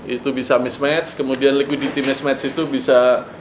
itu bisa mismatch kemudian liquidity mismatch itu bisa